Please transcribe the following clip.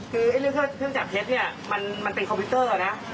คือเรื่องเครื่องจับเท็จเนี่ยมันเป็นคอมพิวเตอร์นะ